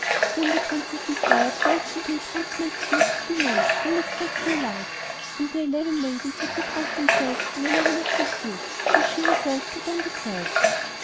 Then the Princess desired twelve complete huntsmen's suits to be made, all exactly alike, and the eleven maidens had to dress themselves in eleven of the suits, while she herself put on the twelfth.